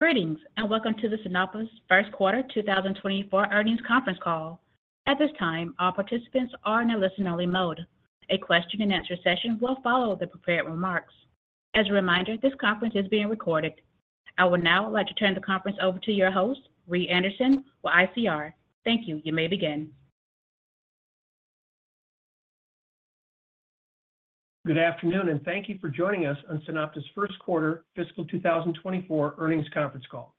Greetings and welcome to the SunOpta's first quarter 2024 earnings conference call. At this time, all participants are in a listen-only mode. A question-and-answer session will follow the prepared remarks. As a reminder, this conference is being recorded. I would now like to turn the conference over to your host, Reed Anderson, with ICR. Thank you. You may begin. Good afternoon, and thank you for joining us on SunOpta's first quarter fiscal 2024 earnings conference call.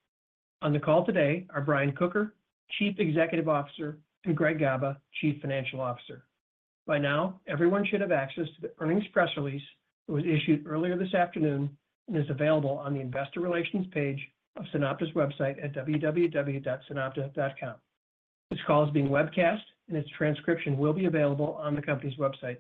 On the call today are Brian Kocher, Chief Executive Officer, and Greg Gaba, Chief Financial Officer. By now, everyone should have access to the earnings press release that was issued earlier this afternoon and is available on the Investor Relations page of SunOpta's website at www.sunopta.com. This call is being webcast, and its transcription will be available on the company's website.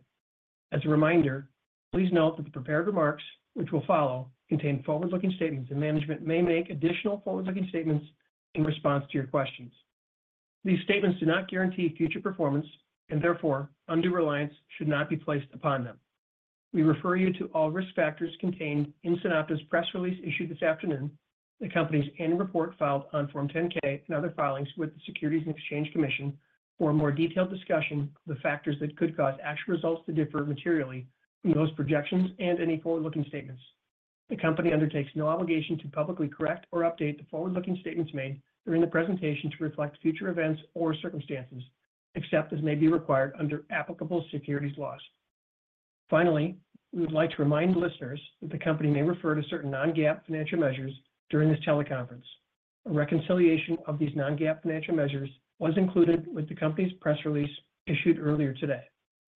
As a reminder, please note that the prepared remarks, which will follow, contain forward-looking statements, and management may make additional forward-looking statements in response to your questions. These statements do not guarantee future performance and, therefore, undue reliance should not be placed upon them. We refer you to all risk factors contained in SunOpta's press release issued this afternoon, the company's annual report filed on Form 10-K, and other filings with the Securities and Exchange Commission for a more detailed discussion of the factors that could cause actual results to differ materially from those projections and any forward-looking statements. The company undertakes no obligation to publicly correct or update the forward-looking statements made during the presentation to reflect future events or circumstances, except as may be required under applicable securities laws. Finally, we would like to remind listeners that the company may refer to certain non-GAAP financial measures during this teleconference. A reconciliation of these non-GAAP financial measures was included with the company's press release issued earlier today.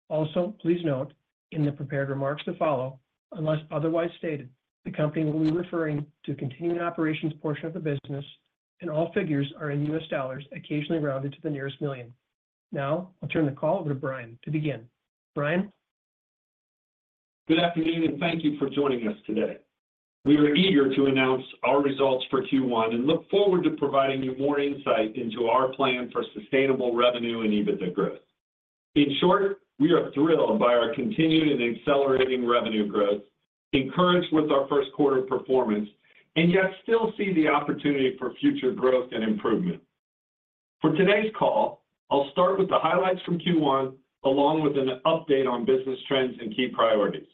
Also, please note, in the prepared remarks to follow, unless otherwise stated, the company will be referring to a continuing operations portion of the business, and all figures are in U.S. dollars, occasionally rounded to the nearest million. Now I'll turn the call over to Brian to begin. Brian. Good afternoon, and thank you for joining us today. We are eager to announce our results for Q1 and look forward to providing you more insight into our plan for sustainable revenue and EBITDA growth. In short, we are thrilled by our continued and accelerating revenue growth, encouraged with our first quarter performance, and yet still see the opportunity for future growth and improvement. For today's call, I'll start with the highlights from Q1 along with an update on business trends and key priorities.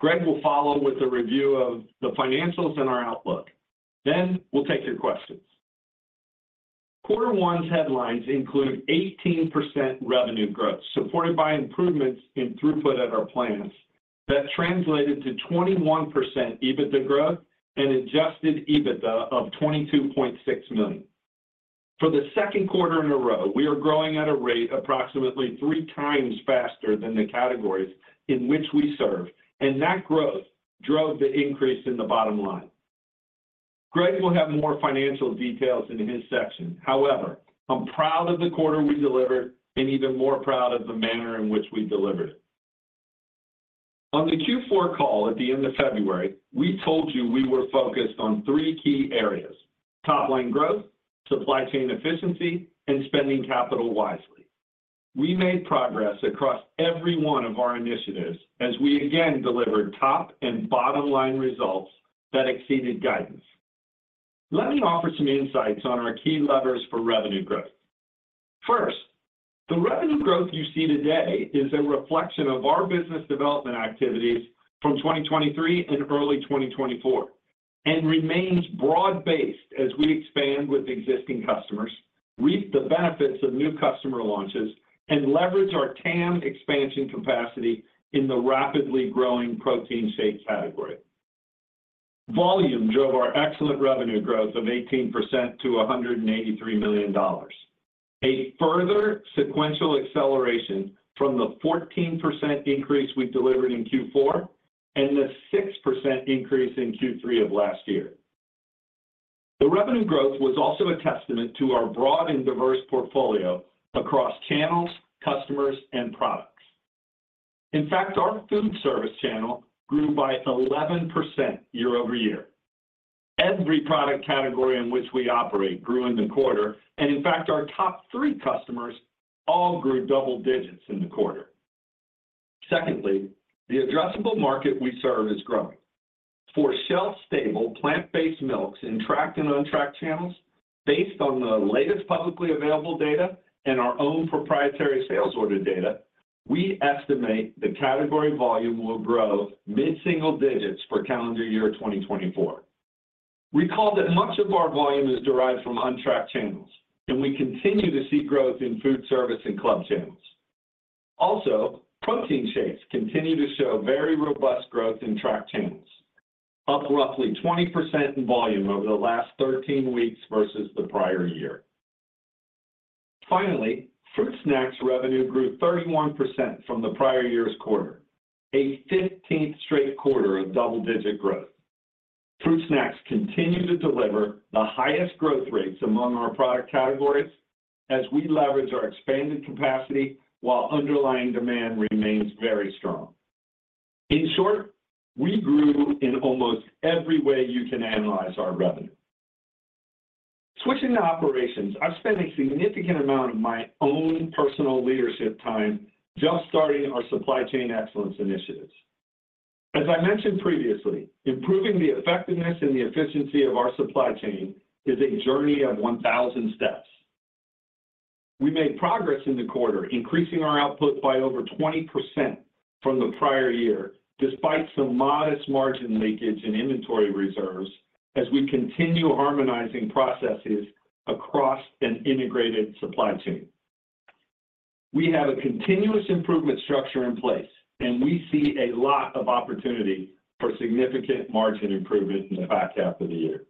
Greg will follow with a review of the financials and our outlook. Then we'll take your questions. Quarter one's headlines include 18% revenue growth supported by improvements in throughput at our plants that translated to 21% EBITDA growth and Adjusted EBITDA of $22.6 million. For the second quarter in a row, we are growing at a rate approximately three times faster than the categories in which we serve, and that growth drove the increase in the bottom line. Greg will have more financial details in his section. However, I'm proud of the quarter we delivered and even more proud of the manner in which we delivered it. On the Q4 call at the end of February, we told you we were focused on three key areas: top-line growth, supply chain efficiency, and spending capital wisely. We made progress across every one of our initiatives as we again delivered top and bottom line results that exceeded guidance. Let me offer some insights on our key levers for revenue growth. First, the revenue growth you see today is a reflection of our business development activities from 2023 and early 2024 and remains broad-based as we expand with existing customers, reap the benefits of new customer launches, and leverage our TAM expansion capacity in the rapidly growing protein shake category. Volume drove our excellent revenue growth of 18% to $183 million, a further sequential acceleration from the 14% increase we delivered in Q4 and the 6% increase in Q3 of last year. The revenue growth was also a testament to our broad and diverse portfolio across channels, customers, and products. In fact, our Foodservice channel grew by 11% year-over-year. Every product category in which we operate grew in the quarter, and in fact, our top three customers all grew double digits in the quarter. Secondly, the addressable market we serve is growing. For shelf-stable plant-based milks in tracked and untracked channels, based on the latest publicly available data and our own proprietary sales order data, we estimate the category volume will grow mid-single digits for calendar year 2024. Recall that much of our volume is derived from untracked channels, and we continue to see growth in Foodservice and club channels. Also, protein shakes continue to show very robust growth in tracked channels, up roughly 20% in volume over the last 13 weeks versus the prior year. Finally, fruit snacks revenue grew 31% from the prior year's quarter, a 15th straight quarter of double-digit growth. Fruit snacks continue to deliver the highest growth rates among our product categories as we leverage our expanded capacity while underlying demand remains very strong. In short, we grew in almost every way you can analyze our revenue. Switching to operations, I'm spending a significant amount of my own personal leadership time just starting our supply chain excellence initiatives. As I mentioned previously, improving the effectiveness and the efficiency of our supply chain is a journey of 1,000 steps. We made progress in the quarter, increasing our output by over 20% from the prior year despite some modest margin leakage in inventory reserves as we continue harmonizing processes across an integrated supply chain. We have a continuous improvement structure in place, and we see a lot of opportunity for significant margin improvement in the back half of the year.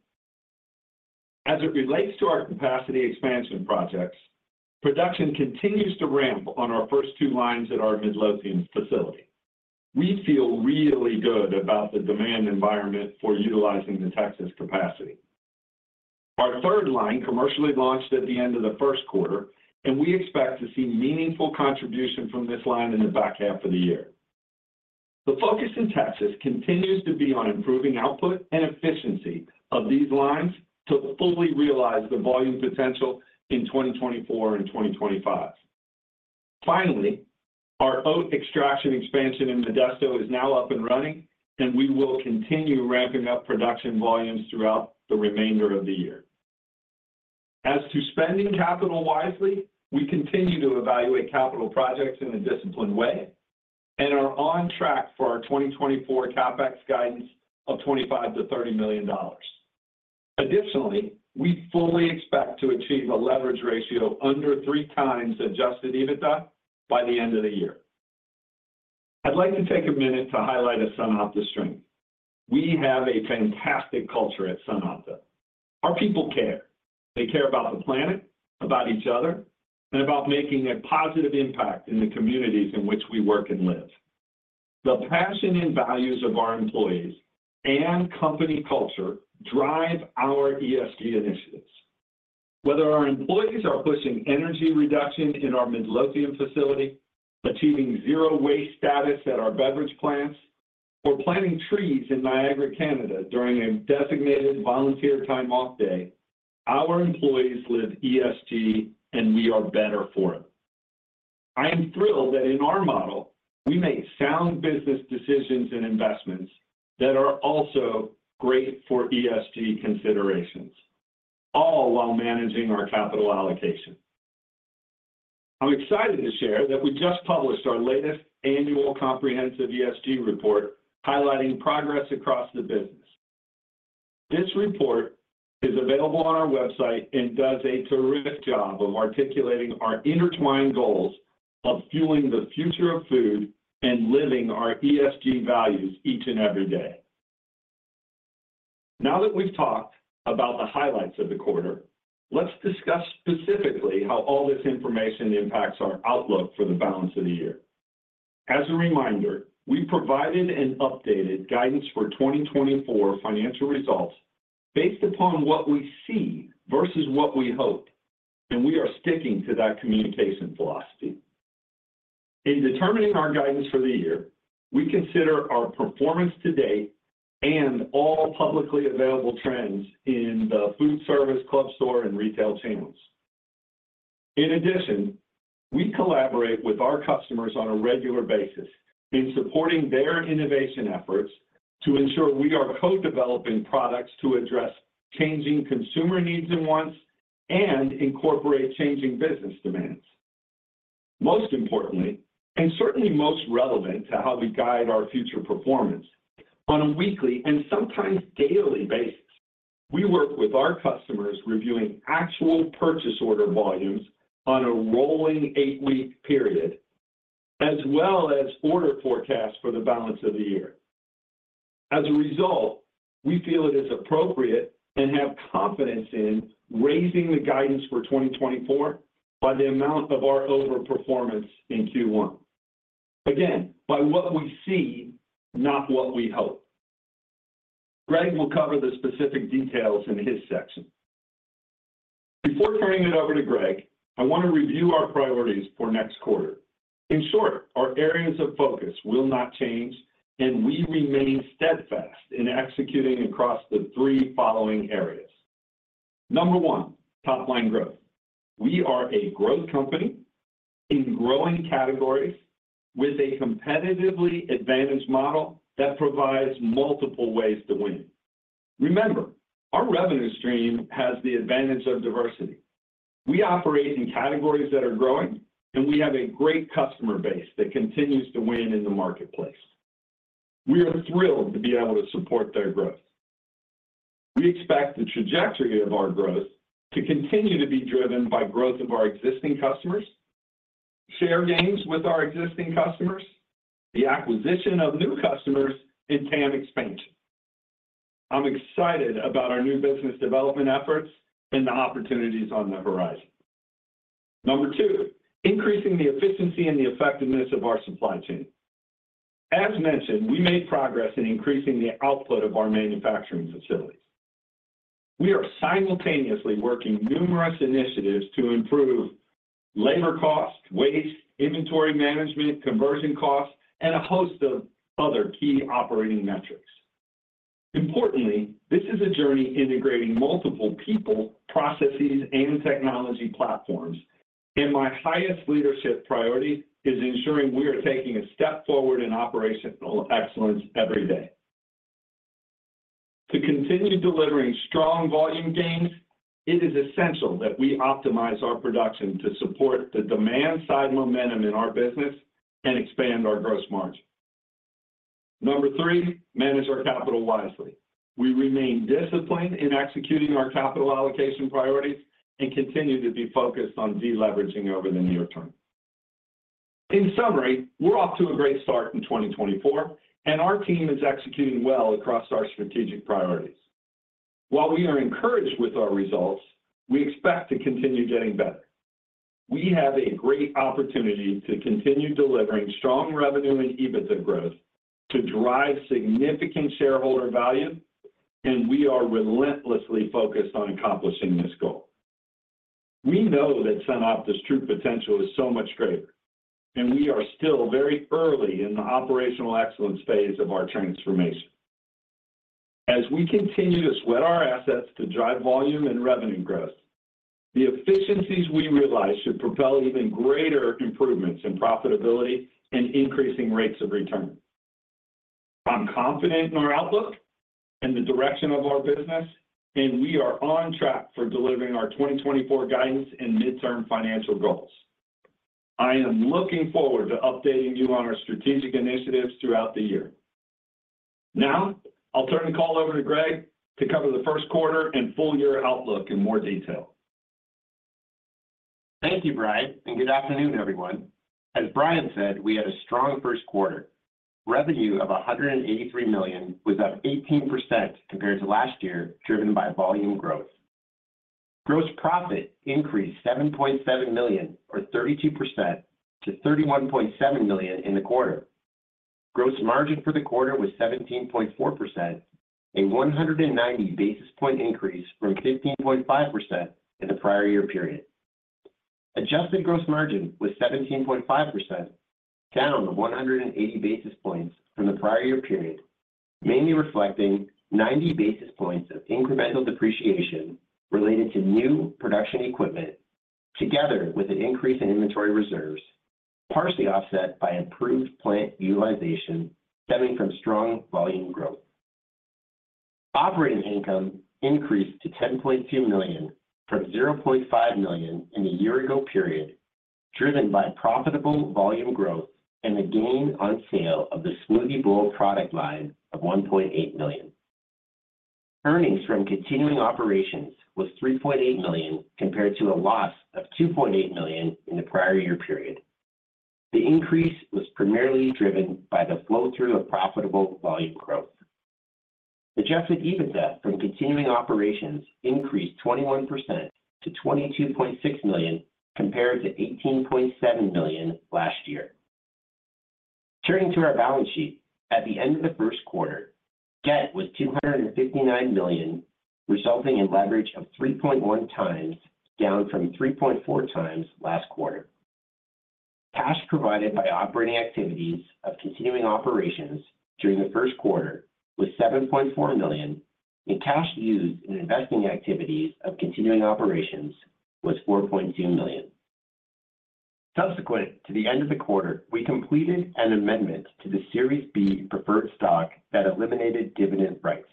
As it relates to our capacity expansion projects, production continues to ramp on our first two lines at our Midlothian facility. We feel really good about the demand environment for utilizing the Texas capacity. Our third line commercially launched at the end of the first quarter, and we expect to see meaningful contribution from this line in the back half of the year. The focus in Texas continues to be on improving output and efficiency of these lines to fully realize the volume potential in 2024 and 2025. Finally, our oat extraction expansion in Modesto is now up and running, and we will continue ramping up production volumes throughout the remainder of the year. As to spending capital wisely, we continue to evaluate capital projects in a disciplined way and are on track for our 2024 CapEx guidance of $25 million-$30 million. Additionally, we fully expect to achieve a leverage ratio under three times Adjusted EBITDA by the end of the year. I'd like to take a minute to highlight SunOpta's strength. We have a fantastic culture at SunOpta. Our people care. They care about the planet, about each other, and about making a positive impact in the communities in which we work and live. The passion and values of our employees and company culture drive our ESG initiatives. Whether our employees are pushing energy reduction in our Midlothian facility, achieving zero-waste status at our beverage plants, or planting trees in Niagara, Canada during a designated volunteer time-off day, our employees live ESG, and we are better for it. I am thrilled that in our model, we make sound business decisions and investments that are also great for ESG considerations, all while managing our capital allocation. I'm excited to share that we just published our latest annual comprehensive ESG report highlighting progress across the business. This report is available on our website and does a terrific job of articulating our intertwined goals of fueling the future of food and living our ESG values each and every day. Now that we've talked about the highlights of the quarter, let's discuss specifically how all this information impacts our outlook for the balance of the year. As a reminder, we provided and updated guidance for 2024 financial results based upon what we see versus what we hope, and we are sticking to that communication philosophy. In determining our guidance for the year, we consider our performance to date and all publicly available trends in the Foodservice, club store, and retail channels. In addition, we collaborate with our customers on a regular basis in supporting their innovation efforts to ensure we are co-developing products to address changing consumer needs and wants and incorporate changing business demands. Most importantly, and certainly most relevant to how we guide our future performance, on a weekly and sometimes daily basis, we work with our customers reviewing actual purchase order volumes on a rolling eight-week period as well as order forecasts for the balance of the year. As a result, we feel it is appropriate and have confidence in raising the guidance for 2024 by the amount of our overperformance in Q1. Again, by what we see, not what we hope. Greg will cover the specific details in his section. Before turning it over to Greg, I want to review our priorities for next quarter. In short, our areas of focus will not change, and we remain steadfast in executing across the three following areas. Number one, top-line growth. We are a growth company in growing categories with a competitively advantaged model that provides multiple ways to win. Remember, our revenue stream has the advantage of diversity. We operate in categories that are growing, and we have a great customer base that continues to win in the marketplace. We are thrilled to be able to support their growth. We expect the trajectory of our growth to continue to be driven by growth of our existing customers, share gains with our existing customers, the acquisition of new customers, and TAM expansion. I'm excited about our new business development efforts and the opportunities on the horizon. Number two, increasing the efficiency and the effectiveness of our supply chain. As mentioned, we made progress in increasing the output of our manufacturing facilities. We are simultaneously working numerous initiatives to improve labor costs, waste, inventory management, conversion costs, and a host of other key operating metrics. Importantly, this is a journey integrating multiple people, processes, and technology platforms, and my highest leadership priority is ensuring we are taking a step forward in operational excellence every day. To continue delivering strong volume gains, it is essential that we optimize our production to support the demand-side momentum in our business and expand our gross margin. Number three, manage our capital wisely. We remain disciplined in executing our capital allocation priorities and continue to be focused on deleveraging over the near term. In summary, we're off to a great start in 2024, and our team is executing well across our strategic priorities. While we are encouraged with our results, we expect to continue getting better. We have a great opportunity to continue delivering strong revenue and EBITDA growth to drive significant shareholder value, and we are relentlessly focused on accomplishing this goal. We know that SunOpta's true potential is so much greater, and we are still very early in the operational excellence phase of our transformation. As we continue to sweat our assets to drive volume and revenue growth, the efficiencies we realize should propel even greater improvements in profitability and increasing rates of return. I'm confident in our outlook and the direction of our business, and we are on track for delivering our 2024 guidance and midterm financial goals. I am looking forward to updating you on our strategic initiatives throughout the year. Now, I'll turn the call over to Greg to cover the first quarter and full-year outlook in more detail. Thank you, Brian, and good afternoon, everyone. As Brian said, we had a strong first quarter. Revenue of $183 million was up 18% compared to last year, driven by volume growth. Gross profit increased $7.7 million, or 32%, to $31.7 million in the quarter. Gross margin for the quarter was 17.4%, a 190 basis point increase from 15.5% in the prior year period. Adjusted gross margin was 17.5%, down 180 basis points from the prior year period, mainly reflecting 90 basis points of incremental depreciation related to new production equipment together with an increase in inventory reserves, partially offset by improved plant utilization stemming from strong volume growth. Operating income increased to $10.2 million from $0.5 million in the year-ago period, driven by profitable volume growth and the gain on sale of the smoothie bowl product line of $1.8 million. Earnings from continuing operations was $3.8 million compared to a loss of $2.8 million in the prior year period. The increase was primarily driven by the flow-through of profitable volume growth. Adjusted EBITDA from continuing operations increased 21% to $22.6 million compared to $18.7 million last year. Turning to our balance sheet, at the end of the first quarter, debt was $259 million, resulting in leverage of 3.1x, down from 3.4x last quarter. Cash provided by operating activities of continuing operations during the first quarter was $7.4 million, and cash used in investing activities of continuing operations was $4.2 million. Subsequent to the end of the quarter, we completed an amendment to the Series B preferred stock that eliminated dividend rights.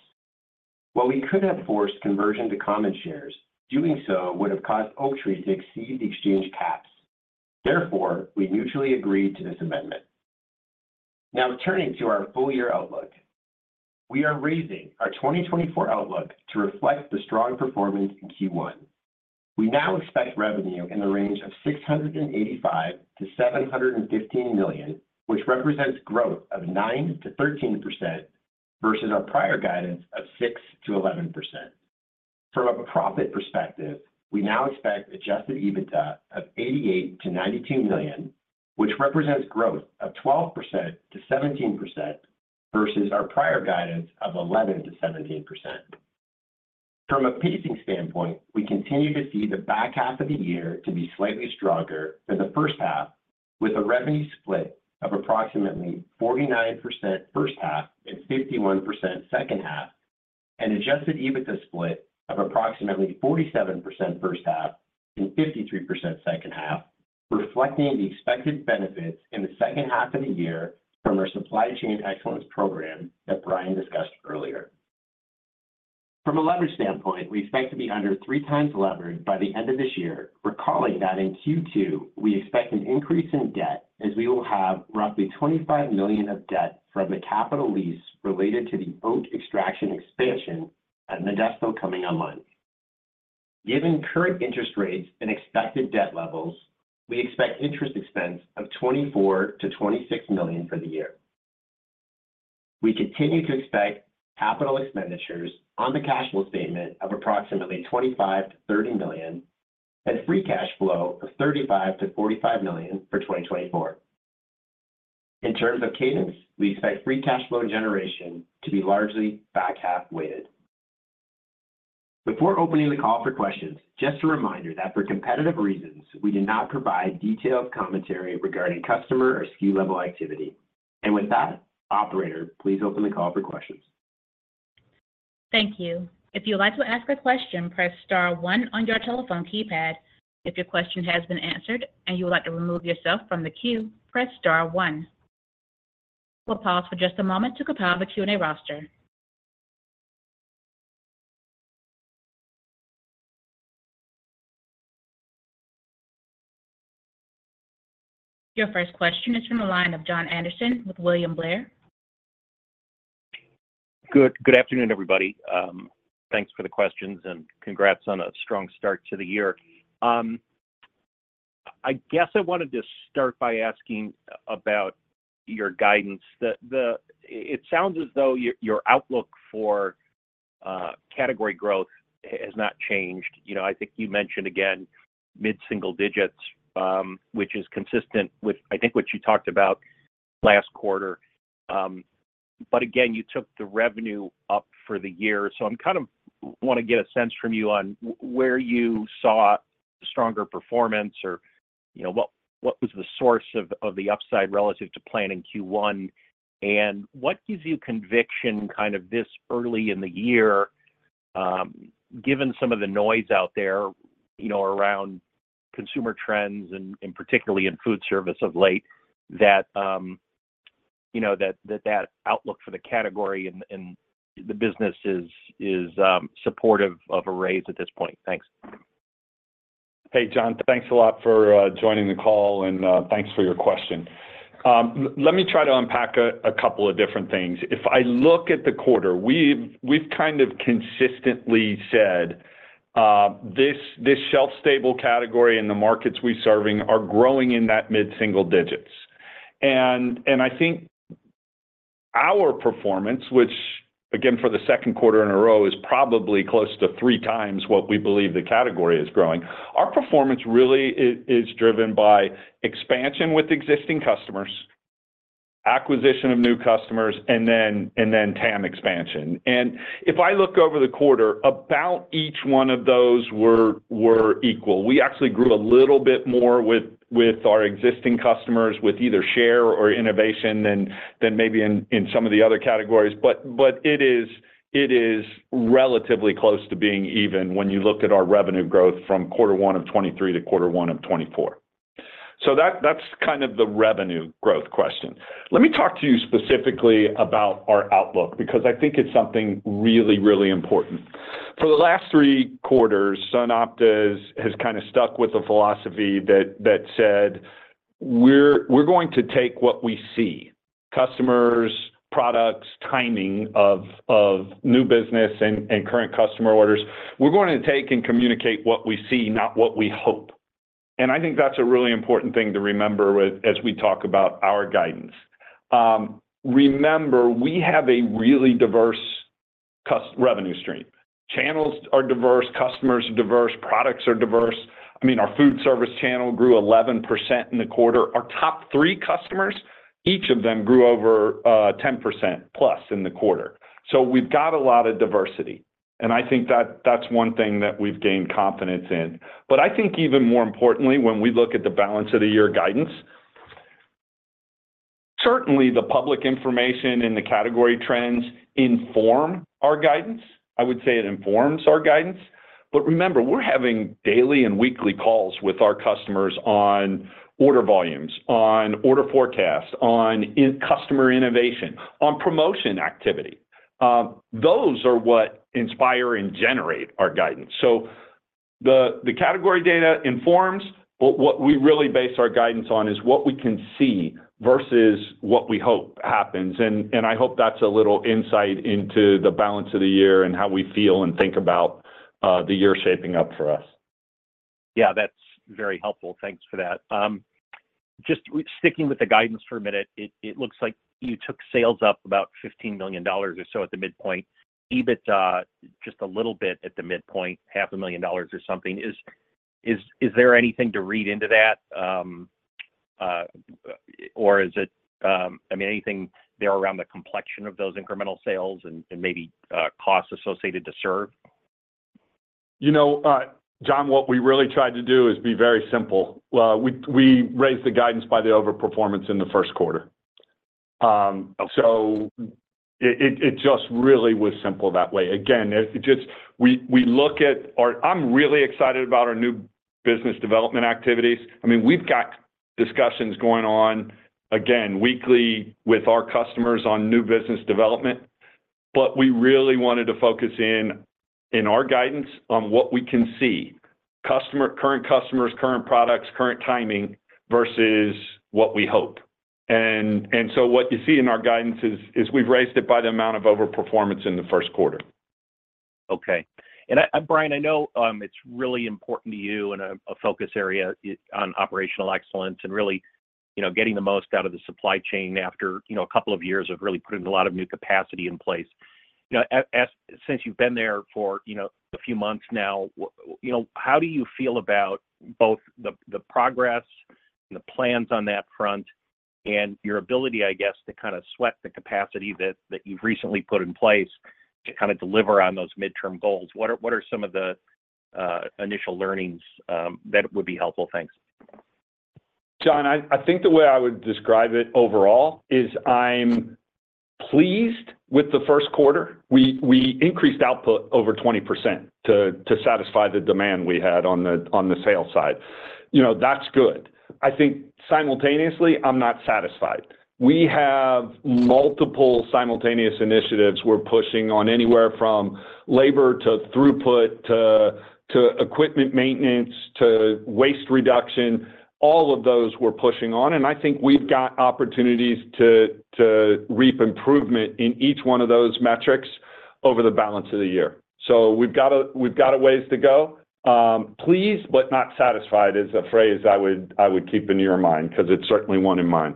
While we could have forced conversion to common shares, doing so would have caused Oaktree to exceed the exchange caps. Therefore, we mutually agreed to this amendment. Now, turning to our full-year outlook. We are raising our 2024 outlook to reflect the strong performance in Q1. We now expect revenue in the range of $685 million-$715 million, which represents growth of 9%-13% versus our prior guidance of 6%-11%. From a profit perspective, we now expect Adjusted EBITDA of $88 million-$92 million, which represents growth of 12%-17% versus our prior guidance of 11%-17%. From a pacing standpoint, we continue to see the back half of the year to be slightly stronger than the first half, with a revenue split of approximately 49% first half and 51% second half, and Adjusted EBITDA split of approximately 47% first half and 53% second half, reflecting the expected benefits in the second half of the year from our supply chain excellence program that Brian discussed earlier. From a leverage standpoint, we expect to be under 3x levered by the end of this year, recalling that in Q2, we expect an increase in debt as we will have roughly $25 million of debt from the capital lease related to the oat extraction expansion at Modesto coming online. Given current interest rates and expected debt levels, we expect interest expense of $24 million-$26 million for the year. We continue to expect capital expenditures on the cash flow statement of approximately $25 million-$30 million and free cash flow of $35 million-$45 million for 2024. In terms of cadence, we expect free cash flow generation to be largely back half weighted. Before opening the call for questions, just a reminder that for competitive reasons, we do not provide detailed commentary regarding customer or SKU-level activity. With that, operator, please open the call for questions. Thank you. If you would like to ask a question, press star one on your telephone keypad. If your question has been answered and you would like to remove yourself from the queue, press star one. We'll pause for just a moment to compile the Q&A roster. Your first question is from the line of Jon Andersen with William Blair. Good afternoon, everybody. Thanks for the questions and congrats on a strong start to the year. I guess I wanted to start by asking about your guidance. It sounds as though your outlook for category growth has not changed. I think you mentioned, again, mid-single digits, which is consistent with, I think, what you talked about last quarter. But again, you took the revenue up for the year. So I kind of want to get a sense from you on where you saw stronger performance or what was the source of the upside relative to plan in Q1. And what gives you conviction kind of this early in the year, given some of the noise out there around consumer trends and particularly in Foodservice of late, that that outlook for the category and the business is supportive of a raise at this point? Thanks. Hey, Jon. Thanks a lot for joining the call, and thanks for your question. Let me try to unpack a couple of different things. If I look at the quarter, we've kind of consistently said this shelf-stable category and the markets we're serving are growing in that mid-single digits. I think our performance, which, again, for the second quarter in a row, is probably close to three times what we believe the category is growing, our performance really is driven by expansion with existing customers, acquisition of new customers, and then TAM expansion. If I look over the quarter, about each one of those were equal. We actually grew a little bit more with our existing customers with either share or innovation than maybe in some of the other categories. But it is relatively close to being even when you look at our revenue growth from quarter one of 2023 to quarter one of 2024. So that's kind of the revenue growth question. Let me talk to you specifically about our outlook because I think it's something really, really important. For the last three quarters, SunOpta has kind of stuck with a philosophy that said, "We're going to take what we see: customers, products, timing of new business and current customer orders. We're going to take and communicate what we see, not what we hope." And I think that's a really important thing to remember as we talk about our guidance. Remember, we have a really diverse revenue stream. Channels are diverse. Customers are diverse. Products are diverse. I mean, our Foodservice channel grew 11% in the quarter. Our top three customers, each of them grew over 10%+ in the quarter. We've got a lot of diversity. I think that's one thing that we've gained confidence in. I think even more importantly, when we look at the balance of the year guidance, certainly, the public information and the category trends inform our guidance. I would say it informs our guidance. Remember, we're having daily and weekly calls with our customers on order volumes, on order forecast, on customer innovation, on promotion activity. Those are what inspire and generate our guidance. The category data informs, but what we really base our guidance on is what we can see versus what we hope happens. I hope that's a little insight into the balance of the year and how we feel and think about the year shaping up for us. Yeah, that's very helpful. Thanks for that. Just sticking with the guidance for a minute, it looks like you took sales up about $15 million or so at the midpoint. EBITDA just a little bit at the midpoint, $500,000 or something. Is there anything to read into that? Or is it, I mean, anything there around the complexion of those incremental sales and maybe costs associated to serve? Jon, what we really tried to do is be very simple. We raised the guidance by the overperformance in the first quarter. So it just really was simple that way. Again, we look at our – I'm really excited about our new business development activities. I mean, we've got discussions going on, again, weekly with our customers on new business development. But we really wanted to focus in our guidance on what we can see: current customers, current products, current timing versus what we hope. And so what you see in our guidance is we've raised it by the amount of overperformance in the first quarter. Okay. And Brian, I know it's really important to you and a focus area on operational excellence and really getting the most out of the supply chain after a couple of years of really putting a lot of new capacity in place. Since you've been there for a few months now, how do you feel about both the progress and the plans on that front and your ability, I guess, to kind of sweat the capacity that you've recently put in place to kind of deliver on those midterm goals? What are some of the initial learnings that would be helpful? Thanks. Jon, I think the way I would describe it overall is I'm pleased with the first quarter. We increased output over 20% to satisfy the demand we had on the sales side. That's good. I think simultaneously, I'm not satisfied. We have multiple simultaneous initiatives we're pushing on anywhere from labor to throughput to equipment maintenance to waste reduction. All of those we're pushing on. I think we've got opportunities to reap improvement in each one of those metrics over the balance of the year. So we've got a ways to go. Pleased but not satisfied is a phrase I would keep in your mind because it's certainly one in mind.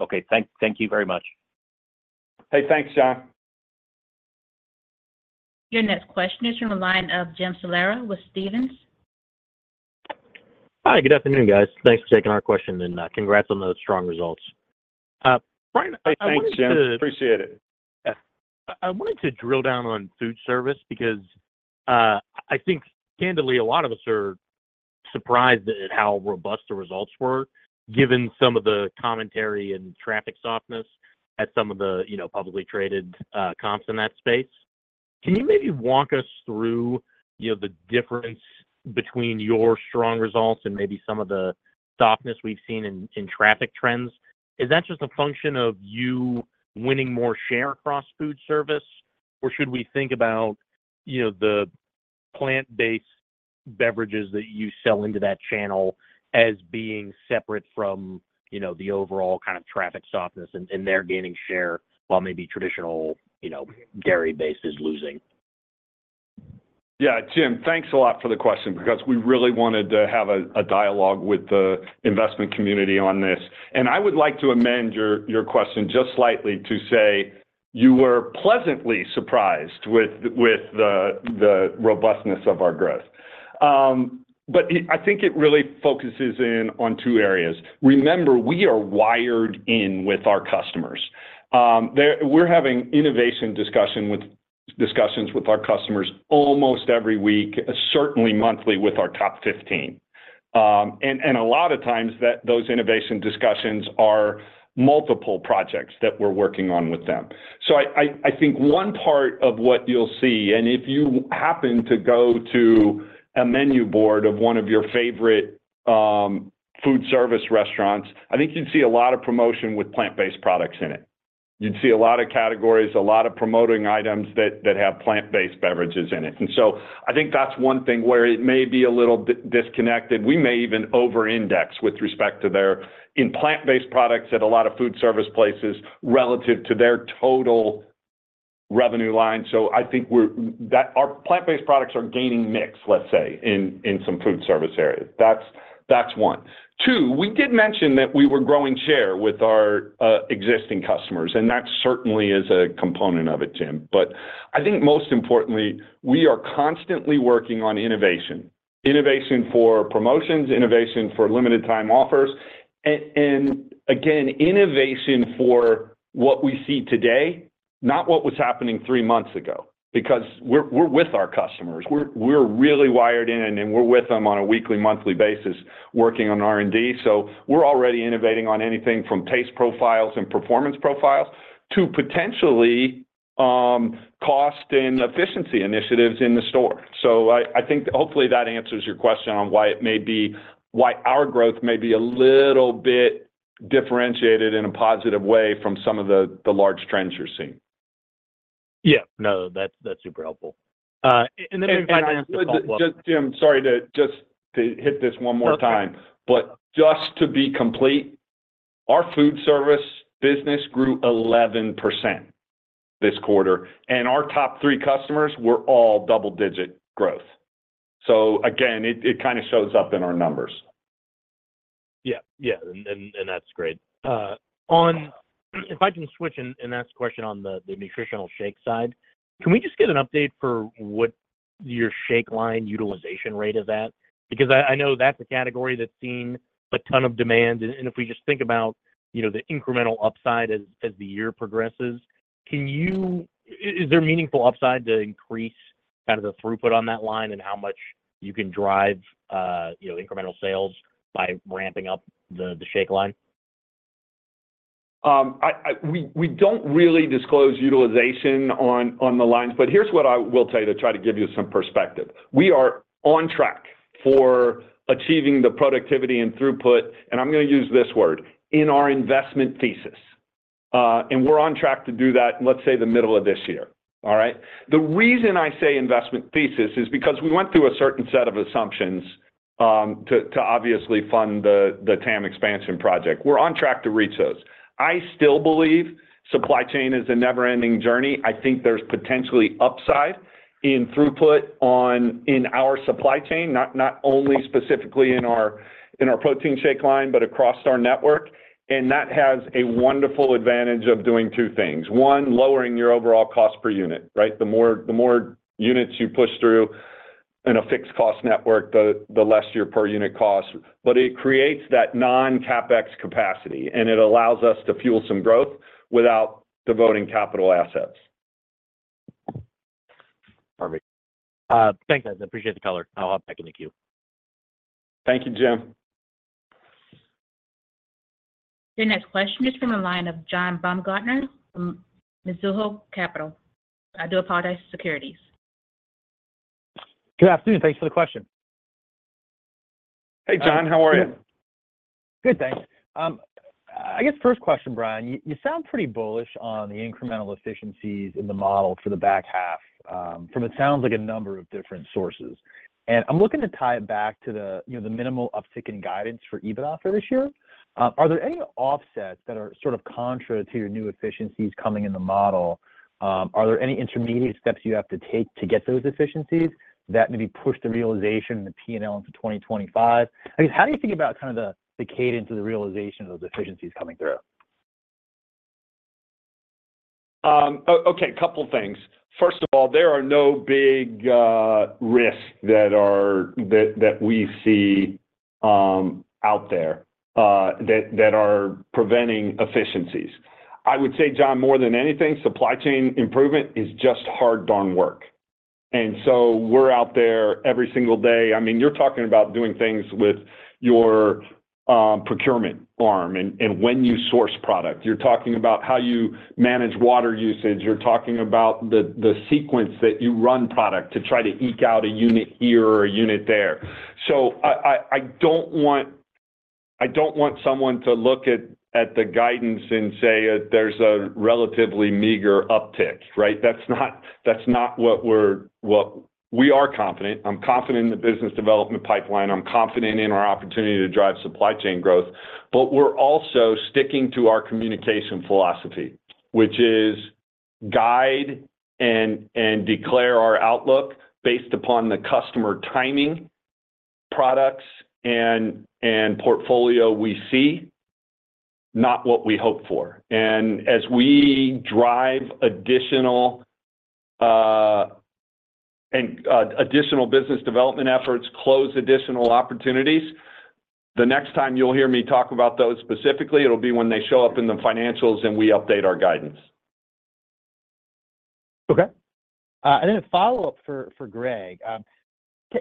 Okay. Thank you very much. Hey, thanks, Jon. Your next question is from the line of Jim Salera with Stephens. Hi. Good afternoon, guys. Thanks for taking our question, and congrats on those strong results. Thanks, Jim. Appreciate it. I wanted to drill down on Foodservice because I think, candidly, a lot of us are surprised at how robust the results were given some of the commentary and traffic softness at some of the publicly traded comps in that space. Can you maybe walk us through the difference between your strong results and maybe some of the softness we've seen in traffic trends? Is that just a function of you winning more share across Foodservice, or should we think about the plant-based beverages that you sell into that channel as being separate from the overall kind of traffic softness and their gaining share while maybe traditional dairy-based is losing? Yeah, Jim, thanks a lot for the question because we really wanted to have a dialogue with the investment community on this. And I would like to amend your question just slightly to say you were pleasantly surprised with the robustness of our growth. But I think it really focuses in on two areas. Remember, we are wired in with our customers. We're having innovation discussions with our customers almost every week, certainly monthly with our top 15. And a lot of times, those innovation discussions are multiple projects that we're working on with them. So I think one part of what you'll see, and if you happen to go to a menu board of one of your favorite Foodservice restaurants, I think you'd see a lot of promotion with plant-based products in it. You'd see a lot of categories, a lot of promoting items that have plant-based beverages in it. So I think that's one thing where it may be a little disconnected. We may even over-index with respect to there in plant-based products at a lot of Foodservice places relative to their total revenue line. So I think our plant-based products are gaining mix, let's say, in some Foodservice areas. That's one. Two, we did mention that we were growing share with our existing customers, and that certainly is a component of it, Jim. But I think most importantly, we are constantly working on innovation: innovation for promotions, innovation for limited-time offers, and again, innovation for what we see today, not what was happening three months ago because we're with our customers. We're really wired in, and we're with them on a weekly, monthly basis working on R&D. So we're already innovating on anything from taste profiles and performance profiles to potentially cost and efficiency initiatives in the store. So I think hopefully that answers your question on why it may be our growth may be a little bit differentiated in a positive way from some of the large trends you're seeing. Yeah. No, that's super helpful. And then maybe finally answer the follow-up. Jim, sorry to hit this one more time. Just to be complete, our Foodservice business grew 11% this quarter, and our top three customers were all double-digit growth. Again, it kind of shows up in our numbers. Yeah. Yeah. And that's great. If I can switch and ask a question on the nutritional shake side, can we just get an update for what your shake line utilization rate is at? Because I know that's a category that's seen a ton of demand. And if we just think about the incremental upside as the year progresses, is there meaningful upside to increase kind of the throughput on that line and how much you can drive incremental sales by ramping up the shake line? We don't really disclose utilization on the lines. But here's what I will tell you to try to give you some perspective. We are on track for achieving the productivity and throughput, and I'm going to use this word, in our investment thesis. And we're on track to do that, let's say, the middle of this year. All right? The reason I say investment thesis is because we went through a certain set of assumptions to obviously fund the TAM expansion project. We're on track to reach those. I still believe supply chain is a never-ending journey. I think there's potentially upside in throughput in our supply chain, not only specifically in our protein shake line, but across our network. And that has a wonderful advantage of doing two things. One, lowering your overall cost per unit, right? The more units you push through in a fixed-cost network, the less your per-unit costs. But it creates that non-CapEx capacity, and it allows us to fuel some growth without devoting capital assets. Perfect. Thanks, guys. Appreciate the color. I'll hop back in the queue. Thank you, Jim. Your next question is from the line of John Baumgartner from Mizuho Securities. Good afternoon. Thanks for the question. Hey, John. How are you? Good, thanks. I guess first question, Brian, you sound pretty bullish on the incremental efficiencies in the model for the back half from, it sounds like, a number of different sources. And I'm looking to tie it back to the minimal uptick in guidance for EBITDA for this year. Are there any offsets that are sort of contra to your new efficiencies coming in the model? Are there any intermediate steps you have to take to get those efficiencies that maybe push the realization and the P&L into 2025? I guess how do you think about kind of the cadence of the realization of those efficiencies coming through? Okay. A couple of things. First of all, there are no big risks that we see out there that are preventing efficiencies. I would say, John, more than anything, supply chain improvement is just hard-darned work. And so we're out there every single day. I mean, you're talking about doing things with your procurement arm and when you source product. You're talking about how you manage water usage. You're talking about the sequence that you run product to try to eke out a unit here or a unit there. So I don't want someone to look at the guidance and say there's a relatively meager uptick, right? That's not what we are confident. I'm confident in the business development pipeline. I'm confident in our opportunity to drive supply chain growth. We're also sticking to our communication philosophy, which is guide and declare our outlook based upon the customer timing, products, and portfolio we see, not what we hope for. As we drive additional business development efforts, close additional opportunities, the next time you'll hear me talk about those specifically, it'll be when they show up in the financials and we update our guidance. Okay. And then a follow-up for Greg.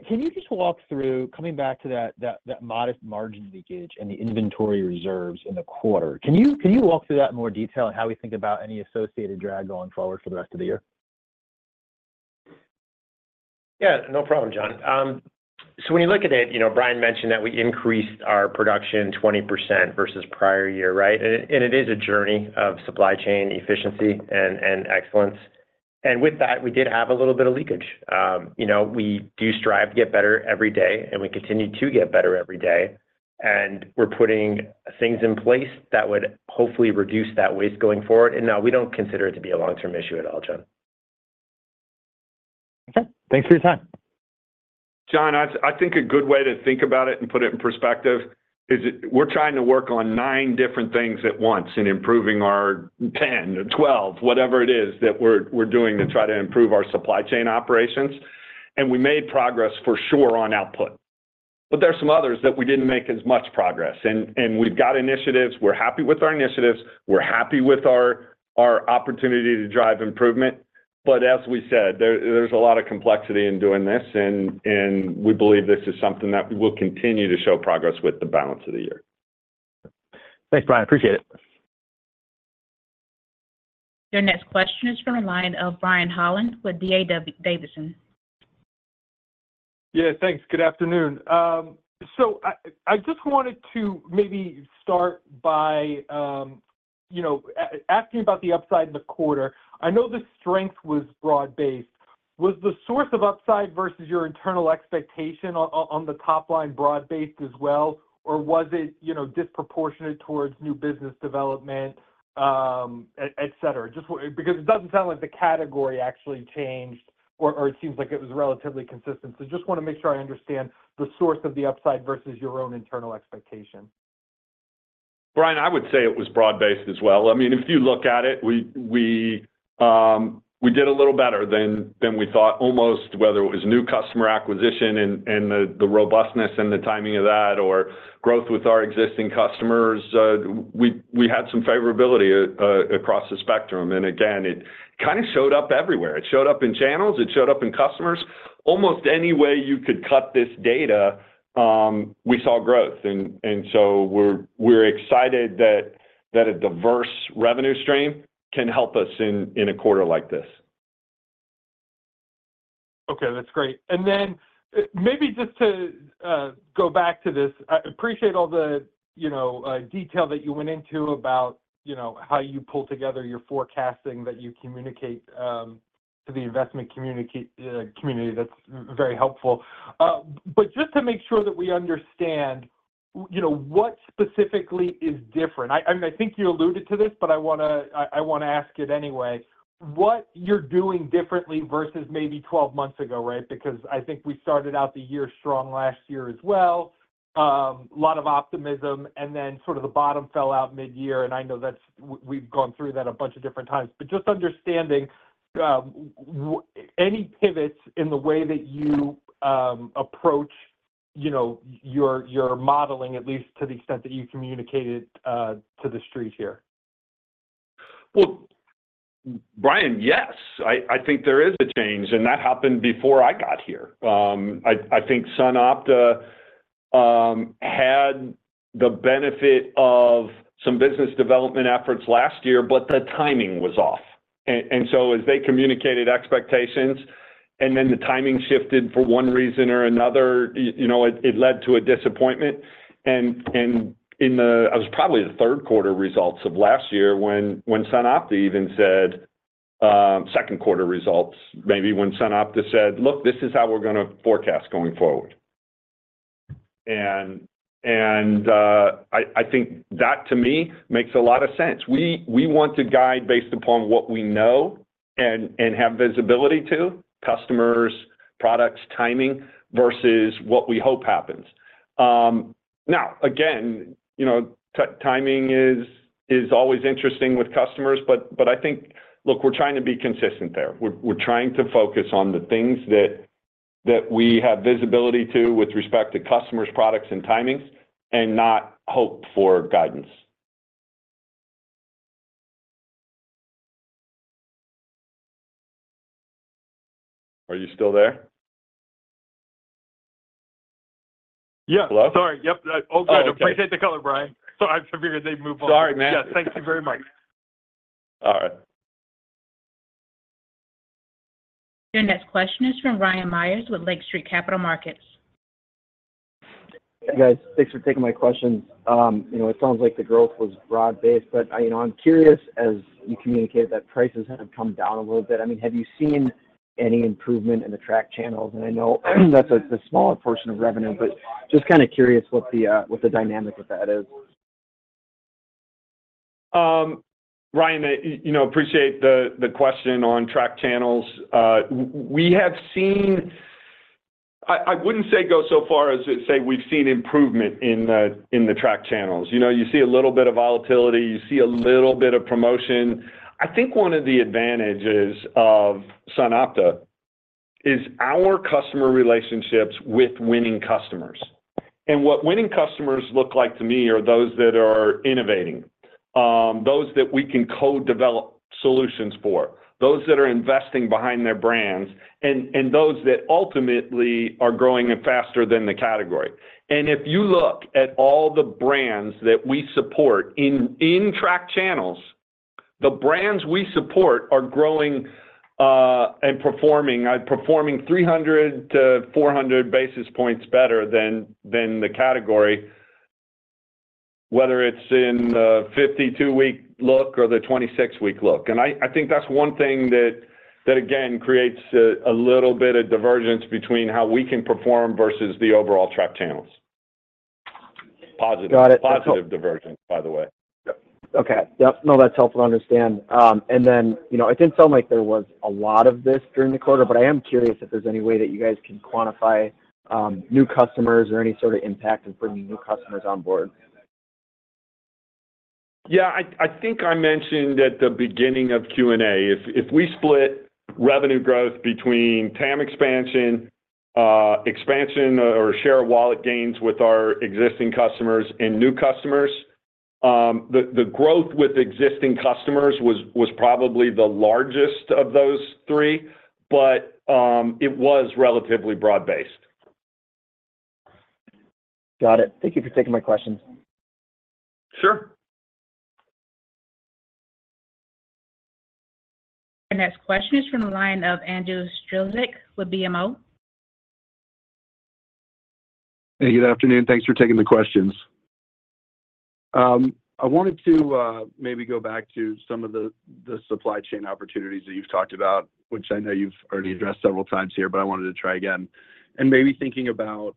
Can you just walk through coming back to that modest margin leakage and the inventory reserves in the quarter? Can you walk through that in more detail and how we think about any associated drag going forward for the rest of the year? Yeah. No problem, John. So when you look at it, Brian mentioned that we increased our production 20% versus prior year, right? And it is a journey of supply chain efficiency and excellence. And with that, we did have a little bit of leakage. We do strive to get better every day, and we continue to get better every day. And we're putting things in place that would hopefully reduce that waste going forward. And no, we don't consider it to be a long-term issue at all, John. Okay. Thanks for your time. John, I think a good way to think about it and put it in perspective is we're trying to work on nine different things at once in improving our 10 or 12, whatever it is that we're doing to try to improve our supply chain operations. We made progress for sure on output. There's some others that we didn't make as much progress. We've got initiatives. We're happy with our initiatives. We're happy with our opportunity to drive improvement. As we said, there's a lot of complexity in doing this, and we believe this is something that we will continue to show progress with the balance of the year. Thanks, Brian. Appreciate it. Your next question is from the line of Brian Holland with D.A. Davidson. Yeah. Thanks. Good afternoon. So I just wanted to maybe start by asking about the upside in the quarter. I know the strength was broad-based. Was the source of upside versus your internal expectation on the top line broad-based as well, or was it disproportionate towards new business development, etc.? Because it doesn't sound like the category actually changed, or it seems like it was relatively consistent. So just want to make sure I understand the source of the upside versus your own internal expectation. Brian, I would say it was broad-based as well. I mean, if you look at it, we did a little better than we thought, almost whether it was new customer acquisition and the robustness and the timing of that or growth with our existing customers. We had some favorability across the spectrum. And again, it kind of showed up everywhere. It showed up in channels. It showed up in customers. Almost any way you could cut this data, we saw growth. And so we're excited that a diverse revenue stream can help us in a quarter like this. Okay. That's great. And then maybe just to go back to this, I appreciate all the detail that you went into about how you pull together your forecasting that you communicate to the investment community. That's very helpful. But just to make sure that we understand what specifically is different. I mean, I think you alluded to this, but I want to ask it anyway. What you're doing differently versus maybe 12 months ago, right? Because I think we started out the year strong last year as well, a lot of optimism, and then sort of the bottom fell out mid-year. And I know we've gone through that a bunch of different times. But just understanding any pivots in the way that you approach your modeling, at least to the extent that you communicate it to the street here. Well, Brian, yes. I think there is a change, and that happened before I got here. I think SunOpta had the benefit of some business development efforts last year, but the timing was off. And so as they communicated expectations, and then the timing shifted for one reason or another, it led to a disappointment. And it was probably the third quarter results of last year when SunOpta even said second quarter results maybe when SunOpta said, "Look, this is how we're going to forecast going forward." And I think that, to me, makes a lot of sense. We want to guide based upon what we know and have visibility to: customers, products, timing versus what we hope happens. Now, again, timing is always interesting with customers, but I think, look, we're trying to be consistent there. We're trying to focus on the things that we have visibility to with respect to customers, products, and timings and not hope for guidance. Are you still there? Yeah. Sorry. Yep. Oh, good. Appreciate the color, Brian. Sorry. I figured they'd move on. Sorry, man. Yes. Thank you very much. All right. Your next question is from Ryan Meyers with Lake Street Capital Markets. Hey, guys. Thanks for taking my questions. It sounds like the growth was broad-based, but I'm curious, as you communicated, that prices have come down a little bit. I mean, have you seen any improvement in the retail channels? And I know that's a smaller portion of revenue, but just kind of curious what the dynamic with that is. Ryan, I appreciate the question on tracked channels. We have seen I wouldn't say go so far as to say we've seen improvement in the tracked channels. You see a little bit of volatility. You see a little bit of promotion. I think one of the advantages of SunOpta is our customer relationships with winning customers. And what winning customers look like to me are those that are innovating, those that we can co-develop solutions for, those that are investing behind their brands, and those that ultimately are growing faster than the category. And if you look at all the brands that we support in tracked channels, the brands we support are growing and performing 300-400 basis points better than the category, whether it's in the 52-week look or the 26-week look. I think that's one thing that, again, creates a little bit of divergence between how we can perform versus the overall tracked channels. Positive. Positive divergence, by the way. Got it. Okay. Yep. No, that's helpful to understand. And then it didn't sound like there was a lot of this during the quarter, but I am curious if there's any way that you guys can quantify new customers or any sort of impact of bringing new customers on board. Yeah. I think I mentioned at the beginning of Q&A if we split revenue growth between TAM expansion, expansion or share of wallet gains with our existing customers, and new customers, the growth with existing customers was probably the largest of those three, but it was relatively broad-based. Got it. Thank you for taking my questions. Sure. Your next question is from the line of Andrew Strelzik with BMO. Hey, good afternoon. Thanks for taking the questions. I wanted to maybe go back to some of the supply chain opportunities that you've talked about, which I know you've already addressed several times here, but I wanted to try again. Maybe thinking about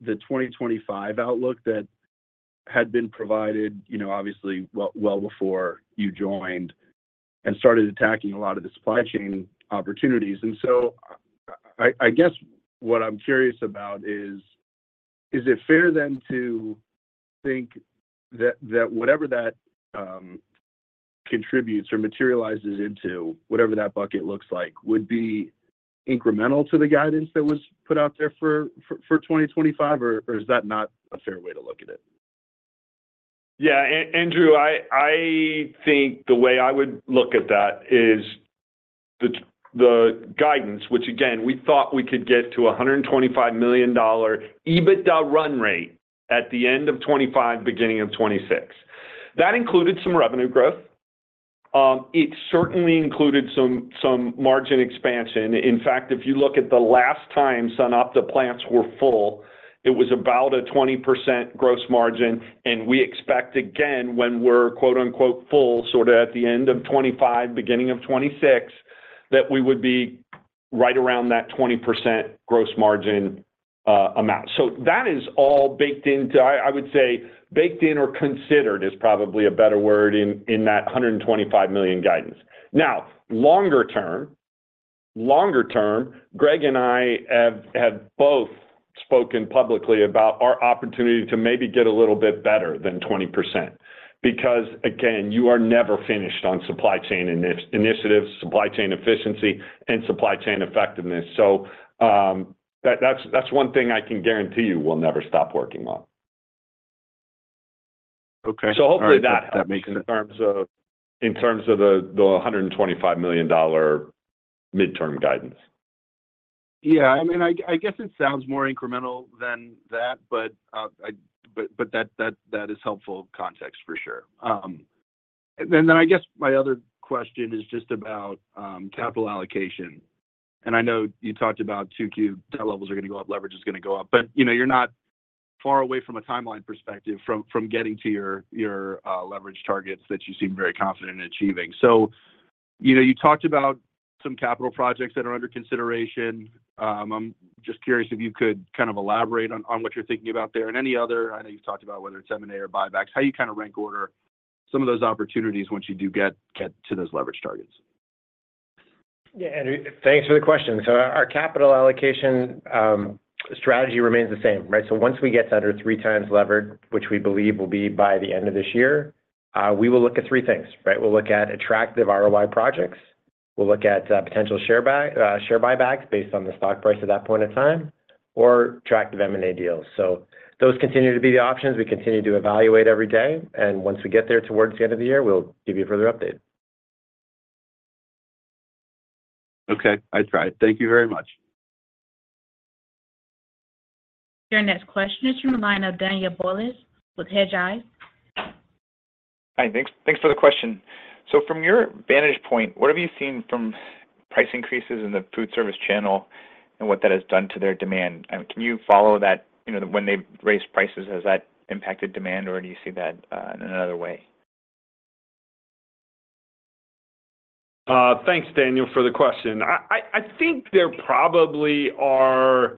the 2025 outlook that had been provided, obviously, well before you joined and started attacking a lot of the supply chain opportunities. So I guess what I'm curious about is, is it fair then to think that whatever that contributes or materializes into, whatever that bucket looks like, would be incremental to the guidance that was put out there for 2025, or is that not a fair way to look at it? Yeah. Andrew, I think the way I would look at that is the guidance, which, again, we thought we could get to $125 million EBITDA run rate at the end of 2025, beginning of 2026. That included some revenue growth. It certainly included some margin expansion. In fact, if you look at the last time SunOpta plants were full, it was about a 20% gross margin. And we expect, again, when we're "full" sort of at the end of 2025, beginning of 2026, that we would be right around that 20% gross margin amount. So that is all baked into I would say baked in or considered is probably a better word in that $125 million guidance. Now, longer term, Greg and I have both spoken publicly about our opportunity to maybe get a little bit better than 20% because, again, you are never finished on supply chain initiatives, supply chain efficiency, and supply chain effectiveness. So that's one thing I can guarantee you we'll never stop working on. So hopefully that helps in terms of the $125 million midterm guidance. Yeah. I mean, I guess it sounds more incremental than that, but that is helpful context for sure. And then I guess my other question is just about capital allocation. And I know you talked about 2Q, debt levels are going to go up, leverage is going to go up, but you're not far away from a timeline perspective from getting to your leverage targets that you seem very confident in achieving. So you talked about some capital projects that are under consideration. I'm just curious if you could kind of elaborate on what you're thinking about there and any other. I know you've talked about whether it's M&A or buybacks. How do you kind of rank order some of those opportunities once you do get to those leverage targets? Yeah, Andrew. Thanks for the question. So our capital allocation strategy remains the same, right? So once we get under 3x levered, which we believe will be by the end of this year, we will look at three things, right? We'll look at attractive ROI projects. We'll look at potential share buybacks based on the stock price at that point in time or attractive M&A deals. So those continue to be the options. We continue to evaluate every day. And once we get there towards the end of the year, we'll give you a further update. Okay. I try. Thank you very much. Your next question is from the line of Daniel Biolsi with Hedgeye. Hi. Thanks for the question. So from your vantage point, what have you seen from price increases in the Foodservice channel and what that has done to their demand? I mean, can you follow that when they've raised prices? Has that impacted demand, or do you see that in another way? Thanks, Daniel, for the question. I think there probably are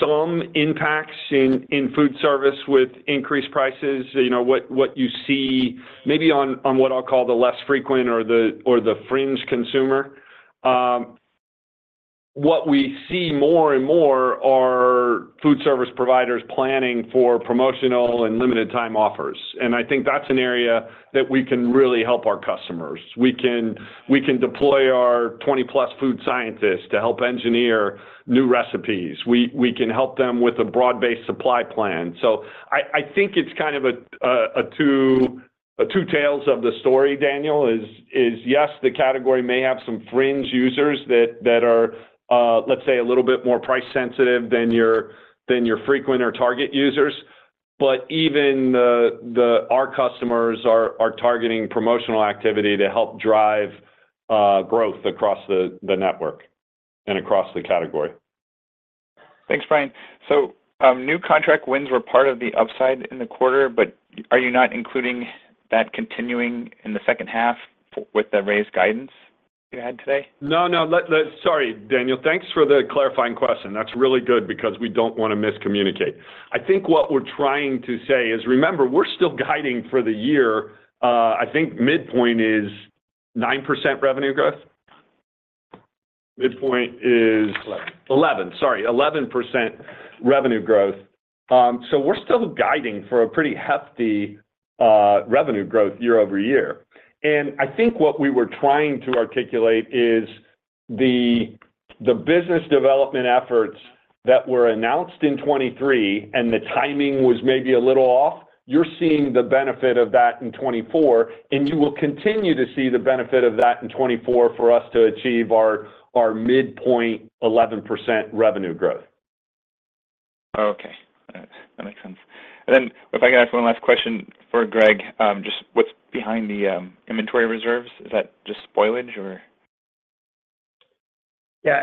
some impacts in Foodservice with increased prices, what you see maybe on what I'll call the less frequent or the fringe consumer. What we see more and more are Foodservice providers planning for promotional and limited-time offers. And I think that's an area that we can really help our customers. We can deploy our 20+ food scientists to help engineer new recipes. We can help them with a broad-based supply plan. So I think it's kind of two tails of the story, Daniel, is, yes, the category may have some fringe users that are, let's say, a little bit more price-sensitive than your frequent or target users, but even our customers are targeting promotional activity to help drive growth across the network and across the category. Thanks, Brian. So new contract wins were part of the upside in the quarter, but are you not including that continuing in the second half with the raised guidance you had today? No, no. Sorry, Daniel. Thanks for the clarifying question. That's really good because we don't want to miscommunicate. I think what we're trying to say is, remember, we're still guiding for the year. I think midpoint is 9% revenue growth. Midpoint is 11. Sorry, 11% revenue growth. So we're still guiding for a pretty hefty revenue growth year-over-year. And I think what we were trying to articulate is the business development efforts that were announced in 2023 and the timing was maybe a little off, you're seeing the benefit of that in 2024, and you will continue to see the benefit of that in 2024 for us to achieve our midpoint 11% revenue growth. Okay. All right. That makes sense. And then if I can ask one last question for Greg, just what's behind the inventory reserves? Is that just spoilage, or? Yeah.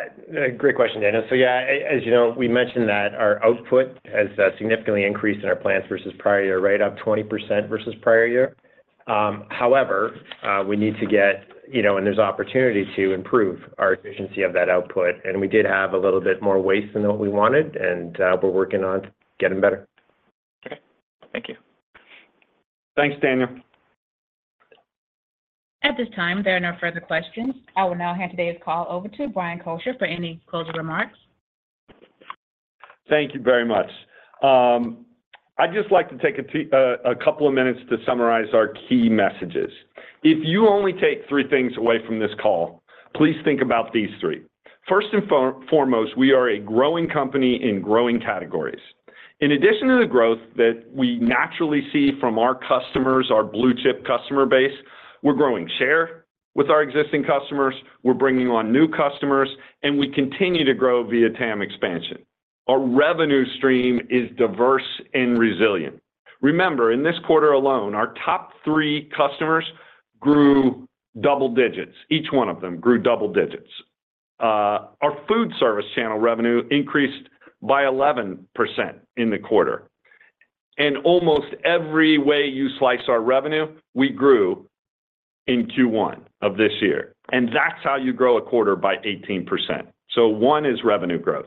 Great question, Daniel. So yeah, as you know, we mentioned that our output has significantly increased in our plants versus prior year, right up 20% versus prior year. However, we need to get and there's opportunity to improve our efficiency of that output. We did have a little bit more waste than what we wanted, and we're working on getting better. Okay. Thank you. Thanks, Daniel. At this time, there are no further questions. I will now hand today's call over to Brian Kocher for any closing remarks. Thank you very much. I'd just like to take a couple of minutes to summarize our key messages. If you only take three things away from this call, please think about these three. First and foremost, we are a growing company in growing categories. In addition to the growth that we naturally see from our customers, our blue-chip customer base, we're growing share with our existing customers. We're bringing on new customers, and we continue to grow via TAM expansion. Our revenue stream is diverse and resilient. Remember, in this quarter alone, our top three customers grew double digits. Each one of them grew double digits. Our Foodservice channel revenue increased by 11% in the quarter. And almost every way you slice our revenue, we grew in Q1 of this year. And that's how you grow a quarter by 18%. So one is revenue growth.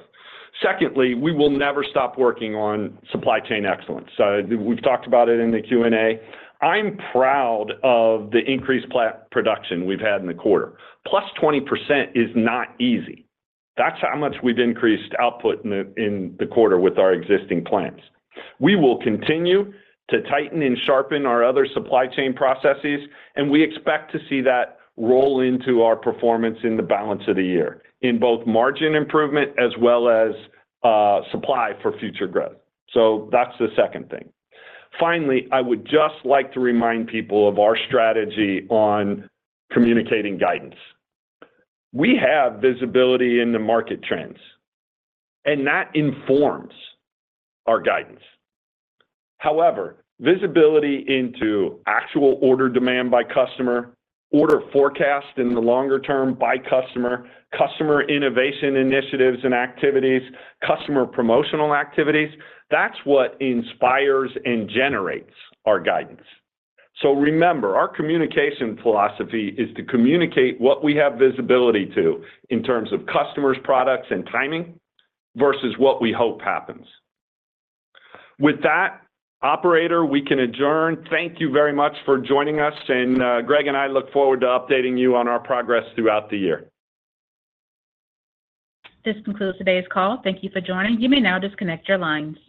Secondly, we will never stop working on supply chain excellence. We've talked about it in the Q&A. I'm proud of the increased production we've had in the quarter. +20% is not easy. That's how much we've increased output in the quarter with our existing plants. We will continue to tighten and sharpen our other supply chain processes, and we expect to see that roll into our performance in the balance of the year in both margin improvement as well as supply for future growth. So that's the second thing. Finally, I would just like to remind people of our strategy on communicating guidance. We have visibility in the market trends, and that informs our guidance. However, visibility into actual order demand by customer, order forecast in the longer term by customer, customer innovation initiatives and activities, customer promotional activities, that's what inspires and generates our guidance. So remember, our communication philosophy is to communicate what we have visibility to in terms of customers' products and timing versus what we hope happens. With that, operator, we can adjourn. Thank you very much for joining us, and Greg and I look forward to updating you on our progress throughout the year. This concludes today's call. Thank you for joining. You may now disconnect your lines.